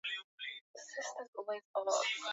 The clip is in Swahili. Uwamuzi ulochukuliwa na Mahakama Kuu siku ya Ijuma